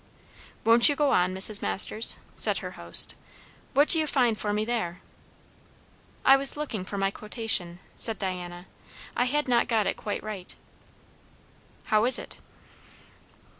"Won't you go on, Mrs. Masters?" said her host. "What do you find for me there?" "I was looking for my quotation," said Diana; "I had not got it quite right." "How is it?"